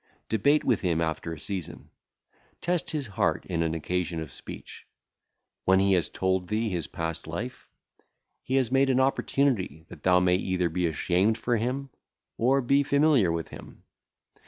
Debate with him after a season; test his heart in an occasion of speech. When he hath told thee his past life, he hath made an opportunity that thou may either be ashamed for him or be familiar with him.